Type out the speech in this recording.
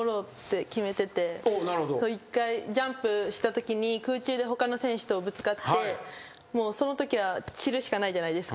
１回ジャンプしたときに空中で他の選手とぶつかってそのときは散るしかないじゃないですか。